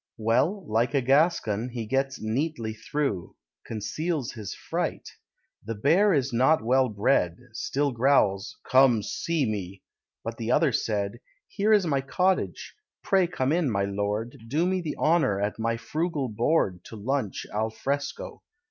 Well, like a Gascon, he gets neatly through: Conceals his fright. The bear is not well bred; Still growls, "Come, see me!" but the other said, "Here is my cottage; pray come in, my lord; Do me the honour at my frugal board To lunch al fresco.